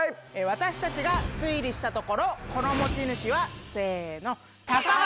私たちが推理したところこの持ち主はせの。